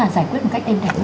giải quyết một cách an toàn